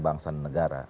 bangsa dan negara